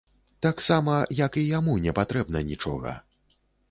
Таксама, як і яму непатрэбна нічога.